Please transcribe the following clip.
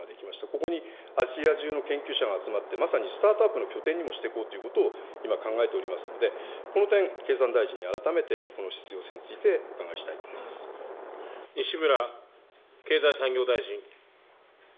ここにアジア中の研究者が集まって、まさにスタートアップの拠点にもしていこうということを今、考えておりますので、この点、経産大臣に改めてこの必要性につい西村経済産業大臣。